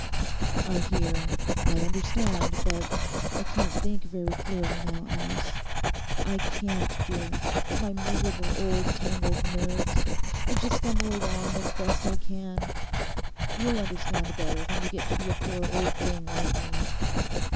'I hear, I understand, but I can't think very clearly now, Alice; I can't, dear; my miserable old tangled nerves. I just stumble along as best I can. You'll understand better when you get to be a poor old thing like me.